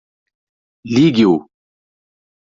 Ligue-o.